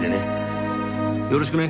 よろしくね。